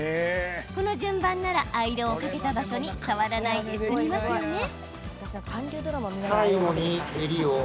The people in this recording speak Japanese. この順番ならアイロンをかけた場所に触らないで済みますよね。